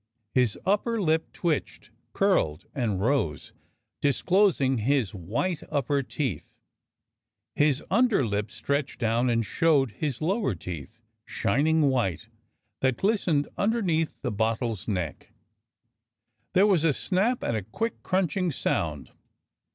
His upper lip twitched, curled, and rose, disclosing his white upper teeth; his underlip stretched down and showed his lower teeth, shining white, that glistened underneath THE DOCTOR SINGS A SONG 123 the bottle's neck. There was a snap and a quick crunching sound.